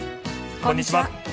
こんにちは。